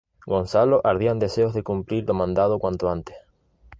Gonzalo ardía en deseos de cumplir lo mandado cuanto antes.